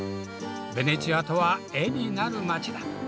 ベネチアとは絵になる街だ。